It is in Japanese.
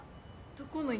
どこの家？